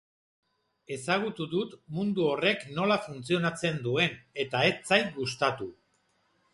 Ezagutu dut mundu horrek nola funtzionatzen duen eta ez zait gustatu.